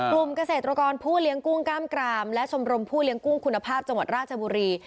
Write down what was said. กลุ่มเกษตรกรผู้เลี้ยงกุ้งกล้ามกรามและชมรมผู้เลี้ยงกุ้งคุณภาพจังหวัดราชบุรี